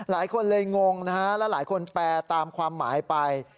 หลายคนเลยงงนะฮะแล้วหลายคนแปลตามความหมายไป